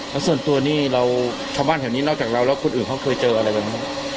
แล้วส่วนตัวนี่เราชาวบ้านแถวนี้นอกจากเราแล้วคนอื่นเขาเคยเจออะไรแบบนี้